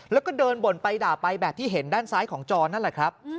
แล้วก็เดินบ่นไปด่าไปแบบที่เห็นด้านซ้ายของจอนั่นแหละครับ